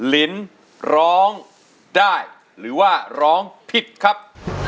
ลินร้องได้หรือว่าร้องผิดครับ